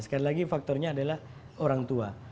sekali lagi faktornya adalah orang tua